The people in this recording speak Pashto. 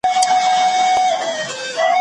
خدایه ملیار مي له ګلونو سره لوبي کوي